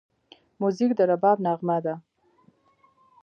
موزیک د رباب نغمه ده.